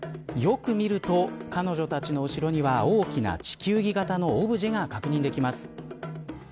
よく見ると、彼女たちの後ろには大きな地球儀型のオブジェが確認できます。